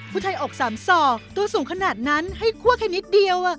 ผู้ชายอก๓ซอกตัวสูงขนาดนั้นให้คั่วแค่นิดเดียว